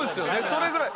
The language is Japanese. それぐらい。